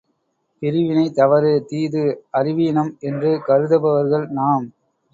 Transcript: பிரிவினை தவறு, தீது, அறிவீனம் என்று கருதுபவர்கள் நாம்.